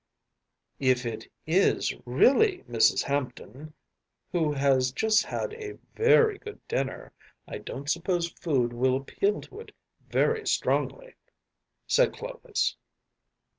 ‚ÄĚ “If it is really Mrs. Hampton, who has just had a very good dinner, I don’t suppose food will appeal to it very strongly,‚ÄĚ said Clovis.